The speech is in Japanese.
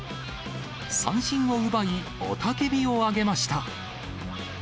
三振を奪い、雄たけびを上げました。